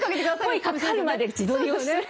声かかるまで自撮りをする。